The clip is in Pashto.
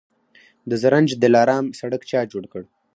د زرنج دلارام سړک چا جوړ کړ؟